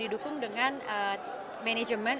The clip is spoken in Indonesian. didukung dengan manajemen